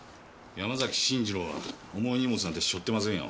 山崎信二郎は重い荷物なんて背負ってませんよ。